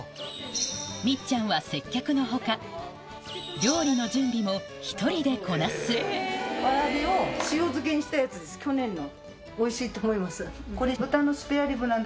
みっちゃんは接客の他料理の準備も１人でこなす去年の。